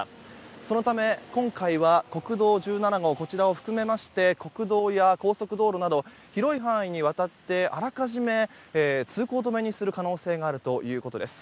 そのため、今回は国道１７号こちらを含めまして国道や高速道路など広い範囲にわたってあらかじめ通行止めにする可能性があるということです。